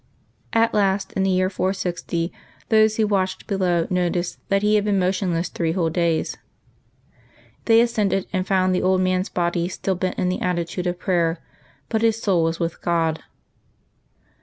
At last, in the year 460, those who watched below noticed that he had been motionless three whole days. They ascended, and found the old man's body still bent in the attitude of prayer, but his soul was with God.